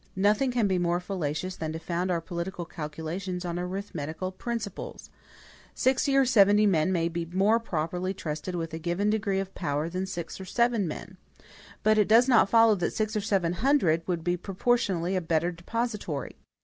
Nothing can be more fallacious than to found our political calculations on arithmetical principles. Sixty or seventy men may be more properly trusted with a given degree of power than six or seven. But it does not follow that six or seven hundred would be proportionably a better depositary.